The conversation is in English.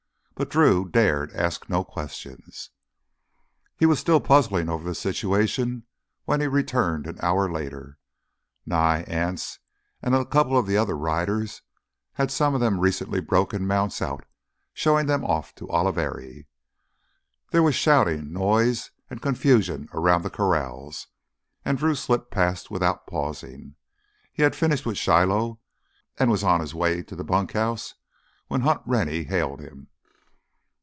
But Drew dared ask no questions. He was still puzzling over the situation when he returned an hour later. Nye, Anse, and a couple of the other riders had some of the recently broken mounts out, showing them off to Oliveri. There was shouting, noise, and confusion around the corrals and Drew slipped past without pausing. He had finished with Shiloh and was on his way to the bunkhouse when Hunt Rennie hailed him.